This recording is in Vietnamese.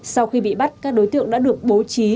sau khi bị bắt các đối tượng đã được bố trí